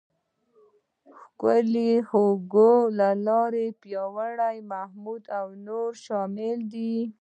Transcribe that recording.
ښکلی، هوګو، لاړ، پیاوړی، محمود او نور شامل دي.